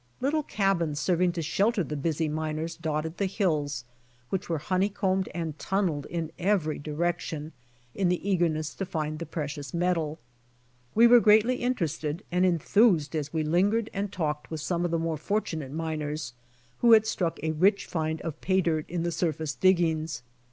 Little cabins serving to shelter the busy miners dotted the hills which were honeycombed and tun neled in every direction, in the eagerness to find the precious metal. We were greatly interested and enthused as we lingered and talked with some of the more fortunate miners who had struck a rich find of pay dirt in the surface diggings.